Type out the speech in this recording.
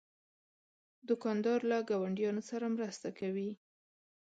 دوکاندار له ګاونډیانو سره مرسته کوي.